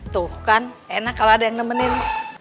tuh kan enak kalau ada yang nemenin